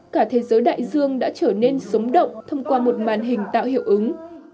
cả thế giới đại dương đã trở nên sống động thông qua một màn hình tạo hiệu ứng